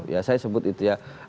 ya saya sebut itu ya